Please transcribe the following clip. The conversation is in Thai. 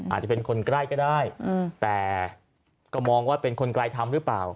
อาจจะเป็นคนใกล้ก็ได้แต่ก็มองว่าเป็นคนไกลทำหรือเปล่า